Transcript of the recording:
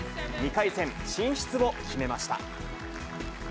２回戦進出を決めました。